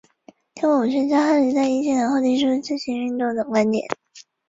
同步技术是在同一时间将资讯传送给线上所有参与者的一种传递模式。